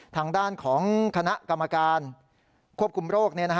ทางด้านของคณะกรรมการวิจัยภาพควบคุมโรค